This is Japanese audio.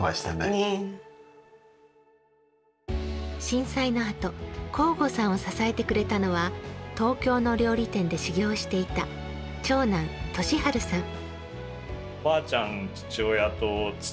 震災のあと向後さんを支えてくれたのは東京の料理店で修業していた長男・稔晴さん。